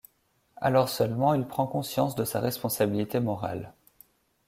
Alors seulement il prend conscience de sa responsabilité morale.